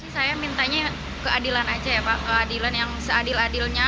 saya mintanya keadilan aja ya pak keadilan yang seadil adilnya